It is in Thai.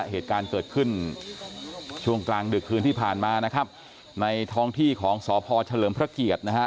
เหตุการณ์เกิดขึ้นช่วงกลางดึกคืนที่ผ่านมานะครับในท้องที่ของสพเฉลิมพระเกียรตินะฮะ